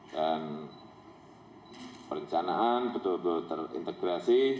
dan perencanaan betul betul terintegrasi